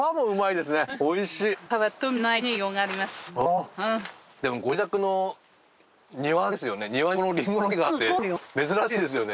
でもご自宅の庭ですよね？